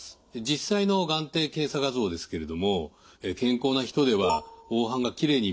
実際の眼底検査画像ですけれども健康な人では黄斑がきれいに見えます。